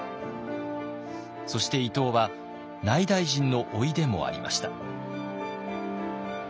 そして伊東は内大臣の甥でもありました。